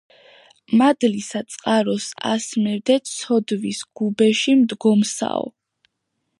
მადლისა წყაროს ასმევდე ცოდვის გუბეში მდგომსაო